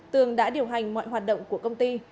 tường đã điều hành mọi hoạt động của công ty